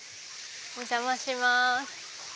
お邪魔します。